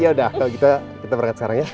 yaudah kalau gitu kita berangkat sekarang ya